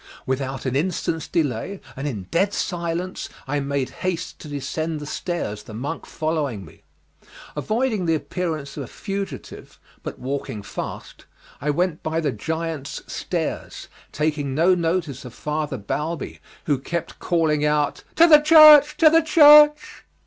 Without an instant's delay and in dead silence, I made haste to descend the stairs, the monk following me. Avoiding the appearance of a fugitive, but walking fast, I went by the giants' Stairs, taking no notice of Father Balbi, who kept calling out "To the church! to the church!"